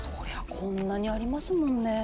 こんなにありますもんねぇ。